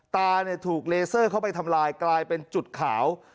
ตาถูกเลเซอร์เข้าไปทำลายกลายเป็นจุดขาว